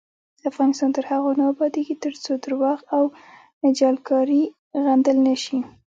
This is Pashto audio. افغانستان تر هغو نه ابادیږي، ترڅو درواغ او جعلکاری غندل نشي.